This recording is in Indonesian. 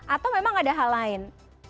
atau memang ada hal lain